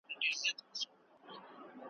په سرو اوښکو یې د چرګ خواته کتله .